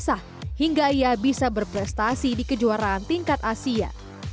sehingga dia bisa berprestasi di kejuaraan tingkat asia